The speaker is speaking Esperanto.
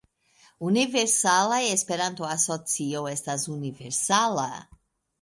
Universala Esperanto-Asocio estas universala.